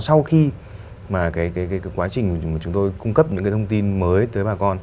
sau khi mà cái quá trình mà chúng tôi cung cấp những cái thông tin mới tới bà con